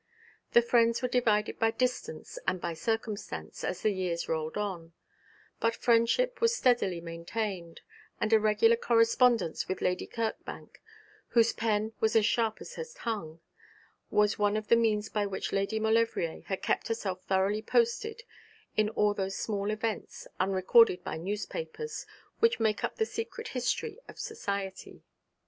The friends were divided by distance and by circumstance as the years rolled on; but friendship was steadily maintained; and a regular correspondence with Lady Kirkbank, whose pen was as sharp as her tongue, was one of the means by which Lady Maulevrier had kept herself thoroughly posted in all those small events, unrecorded by newspapers, which make up the secret history of society.